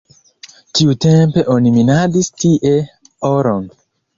Tiutempe oni minadis tie oron.